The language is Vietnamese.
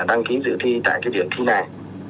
đăng ký dự thi tại cái điểm thi này